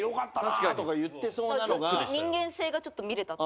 人間性がちょっと見れた。